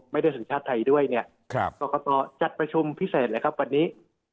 สัญชาติไทยด้วยเนี่ยกรกตจัดประชุมพิเศษเลยครับวันนี้